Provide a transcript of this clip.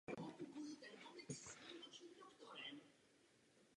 Anna Eleonora vedla s otcem ohledně politických otázek rozsáhlou korespondenci.